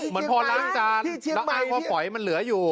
เหมือนพอล้างจานแล้วอ้างว่าฝอยมันเหลืออยู่